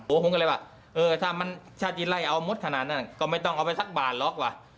ผมก็เลยว่าถ้าจะไล่เอาหมดขนาดนั้นก็ไม่ต้องเอาไปสักบาทหรอกว่ะ